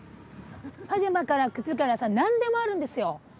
パジャマから靴から何でもあるんですよ。